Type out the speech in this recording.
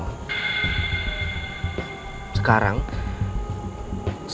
aku bisa nanya dan denger langsung semuanya dari dennis